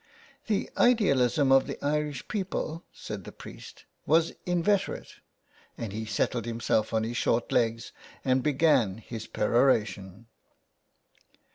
'' The idealism of the Irish people," said the priest, '' was inveterate," and he settled himself on his short legs and began his perora tion.